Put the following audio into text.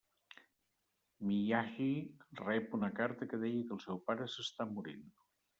Miyagi rep una carta que deia que el seu pare s'està morint.